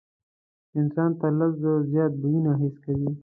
انسان تر لس زرو زیات بویونه حس کوي.